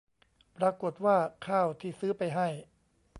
ปรากฏว่าข้าวที่ซื้อไปให้